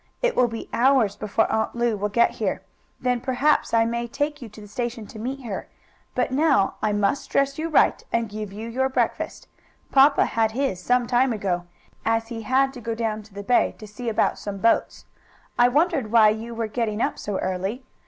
It will be hours before Aunt Lu will get here. Then, perhaps, I may take you to the station to meet her. But now I must dress you right and give you your breakfast. Papa had his some time ago, as he had to go down to the bay to see about some boats. I wondered why you were getting up so early.